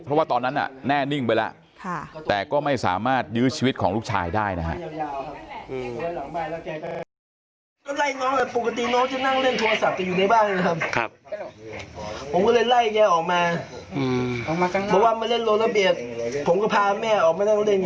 เพราะว่าตอนนั้นแน่นิ่งไปแล้วแต่ก็ไม่สามารถยื้อชีวิตของลูกชายได้นะฮะ